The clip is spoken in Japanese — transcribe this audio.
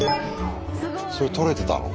それ撮れてたの。